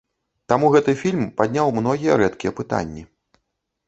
Таму гэты фільм падняў многія рэдкія пытанні.